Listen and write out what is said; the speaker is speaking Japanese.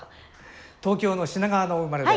東京の品川のお生まれで。